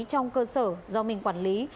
trong cơ sở do mình quản lý